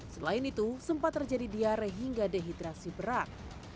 selain itu sempat terjadi diare hingga dehidrasi berat